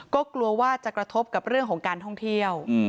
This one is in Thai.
ก็กลัวว่าจะกระทบกับเรื่องของการท่องเที่ยว